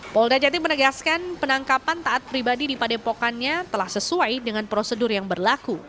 polda jati menegaskan penangkapan taat pribadi di padepokannya telah sesuai dengan prosedur yang berlaku